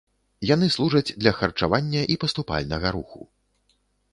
Яны служаць для харчавання і паступальнага руху.